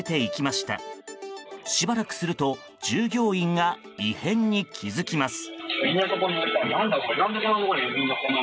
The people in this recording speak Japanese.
しばらくすると従業員が異変に気付きます。